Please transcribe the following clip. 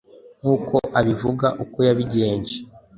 nk’uko abivuga uko yabigenje